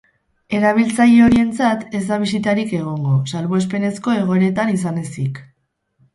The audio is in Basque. Erabiltzaile horientzat ez da bisitarik egingo, salbuespenezko egoeretan izan ezik.